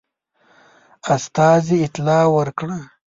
استازي اطلاع ورکړه.